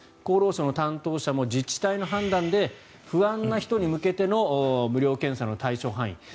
厚労省の担当者も自治体の判断で不安な人に向けての無料検査の対象範囲